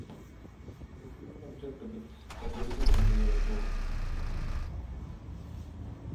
The silver object depicts a person sitting on a throne.